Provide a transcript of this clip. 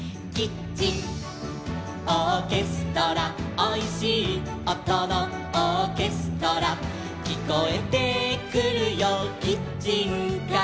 「おいしいおとのオーケストラ」「きこえてくるよキッチンから」